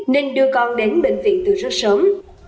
nên đưa con đến bệnh viện từ rất sớm